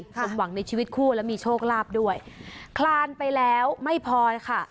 สมหวังในชีวิตคู่และมีโชคลาภด้วยคลานไปแล้วไม่พอค่ะ